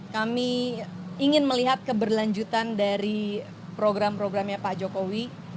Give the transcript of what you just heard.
kami ingin melihat keberlanjutan dari program programnya pak jokowi